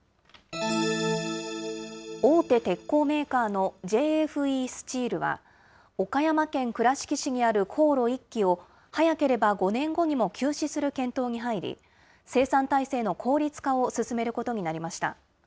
大手鉄鋼メーカーのＪＦＥスチールは、岡山県倉敷市にある高炉１基を、早ければ５年後にも休止する検討に入り、生産体制の効率化を進めることになりました。